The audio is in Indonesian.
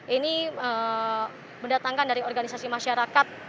ini mendatangkan dari organisasi masyarakat